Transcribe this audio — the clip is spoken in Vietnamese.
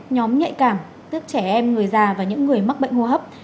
nhóm nhạy cảm tức trẻ em người già và những người mắc bệnh hô hấp